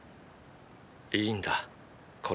いいんだこれで。